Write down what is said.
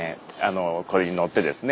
これに乗ってですね